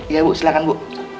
iya bu silahkan bu